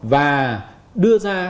và đưa ra